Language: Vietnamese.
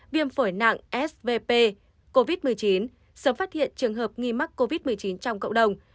viêm phổi nặng svp covid một mươi chín sớm phát hiện trường hợp nghi mắc covid một mươi chín trong cộng đồng